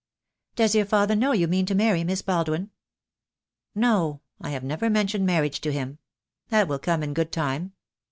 "Does your father know you mean to marry Miss Baldwin?" "No, I have never mentioned marriage to him. That will come in good time."